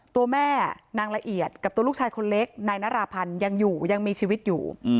ตัวแม่นางละเอียดกับตัวลูกชายคนเล็กนายนาราพันธ์ยังอยู่ยังมีชีวิตอยู่